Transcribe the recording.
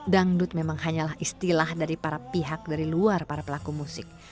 dangdut memang hanyalah istilah dari para pihak dari luar para pelaku musik